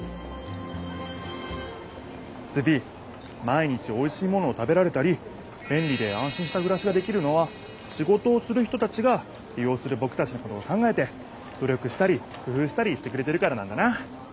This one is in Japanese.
ズビ毎日おいしいものを食べられたりべんりであんしんしたくらしができるのは仕事をする人たちがり用するぼくたちのことを考えて努力したりくふうしたりしてくれてるからなんだな。